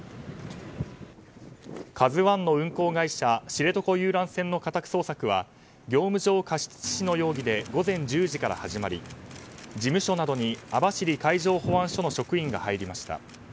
知床遊覧船の家宅捜索は業務上過失致死の容疑で午前１０時から始まり事務所などに網走海上保安署の職員が入りました。